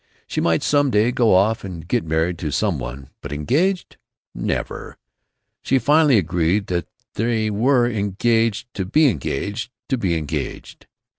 She might some day go off and get married to some one, but engaged? Never! She finally agreed that they were engaged to be engaged to be engaged.